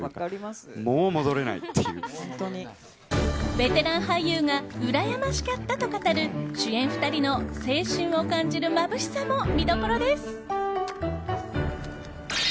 ベテラン俳優がうらやましかったと語る主演２人の青春を感じるまぶしさも見どころです。